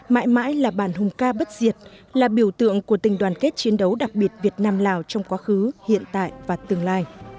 mãi mãi là bàn hùng ca bất diệt là biểu tượng của tình đoàn kết chiến đấu đặc biệt việt nam lào trong quá khứ hiện tại và tương lai